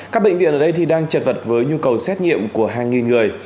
các bệnh viện ở đây đang trật vật với nhu cầu xét nghiệm của hàng nghìn người